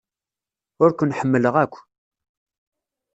Ur ken-ḥemmleɣ akk.